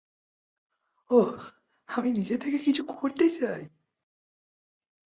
ওহ, আমি নিজে থেকে কিছু করতে চাই।